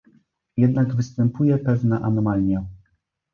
Jednak występuje pewna anomalia